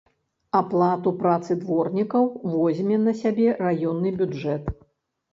Аплату працы дворнікаў возьме на сябе раённы бюджэт.